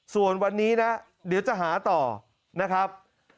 ส่วนวันนี้นะเดี๋ยวจะหาต่อนะครับ